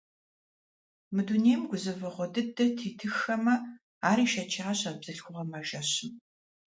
Мы дунейм гузэвэгъуэ дыдэ тетыххэмэ, ар ишэчащ а бзылъхугъэм а жэщым.